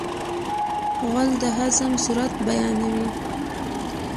غول د هضم سرعت بیانوي.